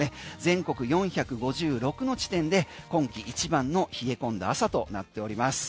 全国４５６の地点で今季一番の冷え込んだ朝となっております。